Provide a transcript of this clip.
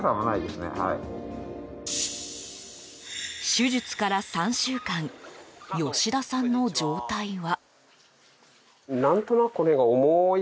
手術から３週間吉田さんの状態は。